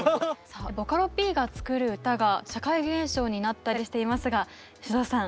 さあボカロＰが作る歌が社会現象になったりしていますがｓｙｕｄｏｕさん。